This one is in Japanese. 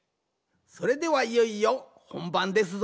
それではいよいよほんばんですぞ。